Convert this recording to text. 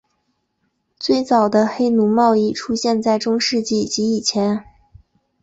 最早的黑奴贸易出现在中世纪及之前。